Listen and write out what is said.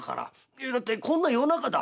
いやだってこんな夜中だ。